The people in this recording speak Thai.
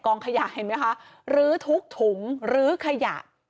ขยะเห็นไหมคะลื้อทุกถุงลื้อขยะ